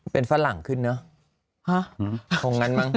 เป็นฝรั่งขึ้นเนอะ